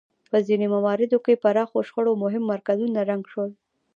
په ځینو مواردو کې پراخو شخړو مهم مرکزونه ړنګ شول.